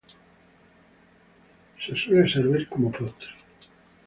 Se suele servir como postre.